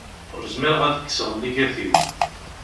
Ur zmireɣ ad kkseɣ lligat-iw.